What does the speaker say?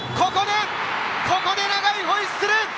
ここで長いホイッスル！